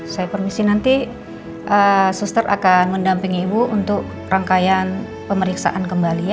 saya permisi nanti suster akan mendampingi ibu untuk rangkaian pemeriksaan kembali ya